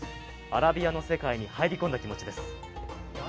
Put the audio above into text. アラビアの世界に入り込んだ気持ちです。